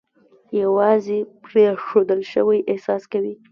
یوازې پرېښودل شوی احساس کوي.